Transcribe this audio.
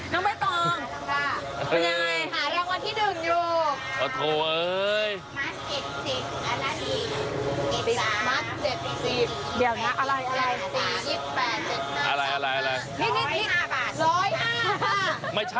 ขายของนับใหญ่เลยคุณผู้ชมค่ะ